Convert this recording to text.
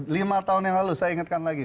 lima tahun yang lalu saya ingatkan lagi